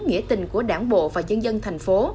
nghĩa tình của đảng bộ và dân dân thành phố